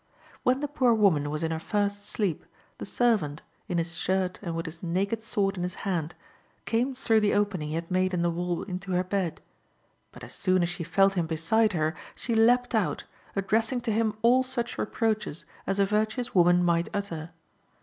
When the poor woman was in her first sleep, the servant, in his shirt and with his naked sword in his hand, came through the opening he had made in the wall into her bed; but as soon as she felt him beside her, she leaped out, addressing to him all such reproaches as a virtuous woman might utter.